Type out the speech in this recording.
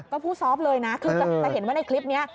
ก็พูดซอฟต์เลยนะแต่เห็นว่าในคลิปนี้